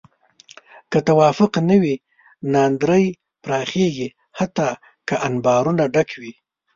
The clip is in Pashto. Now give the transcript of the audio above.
که توافق نه وي، ناندرۍ پراخېږي حتی که انبارونه ډک وي.